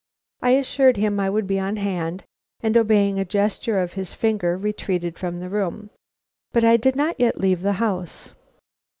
I assured him I would be on hand, and, obeying a gesture of his finger, retreated from the room; but I did not yet leave the house.